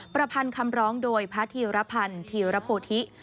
ประพันธ์คำร้องโดยพระธีรพันธ์ธีรโพธิ